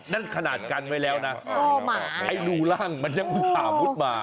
นั่นขนาดกันไว้แล้วนะไอ้รูร่างมันยังอุตส่าห์มุดมา